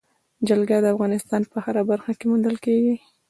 جلګه د افغانستان په هره برخه کې موندل کېږي.